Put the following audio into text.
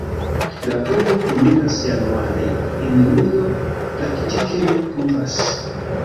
La pluvo kulminas januare, en julio praktike ne pluvas.